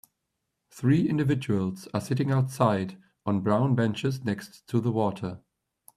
Three individuals are sitting outside on brown benches next to the water.